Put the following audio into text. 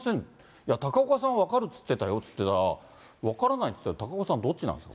いや、高岡さん分かるって言ってたよって言ったら、分からないって言ってて、高岡さん、どっちなんですか？